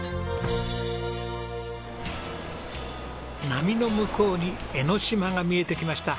波の向こうに江の島が見えてきました。